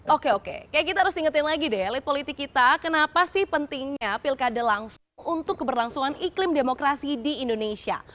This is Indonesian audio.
oke oke kita harus ingetin lagi deh elit politik kita kenapa sih pentingnya pilkada langsung untuk keberlangsungan iklim demokrasi di indonesia